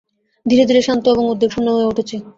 ধীরে ধীরে শান্ত ও উদ্বেগশূন্য হয়ে উঠছি।